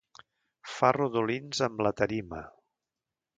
Fa rodolins amb la tarima.